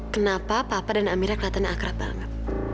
kenapa papa dan amira kelihatannya akrab banget